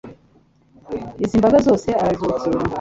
Izi mbaga zose arazokera.